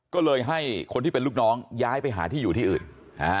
ก็เลยให้คนที่เป็นลูกน้องย้ายไปหาที่อยู่ที่อื่น